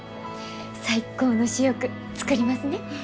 最高の主翼作りますね。